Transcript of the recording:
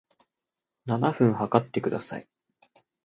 七分測ってください